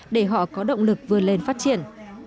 để họ có động lực vươn lên phát triển